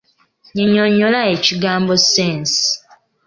Nnyinyonnyola ekigambo ssensi.